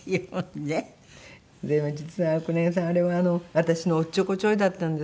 でも実は黒柳さんあれは私のおっちょこちょいだったんです。